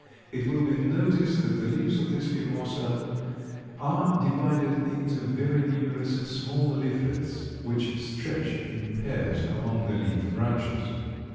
It will be noticed that the leaves of this Mimosa are divided into very numerous small leaflets, which stretch in pairs along the leaf branches.